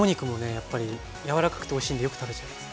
やっぱり柔らかくておいしいんでよく食べちゃいます。